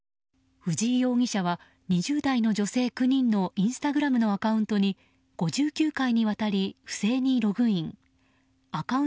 藤井容疑者は２０代の女性９人のインスタグラムのアカウントに５９回にわたり、不正にログイン。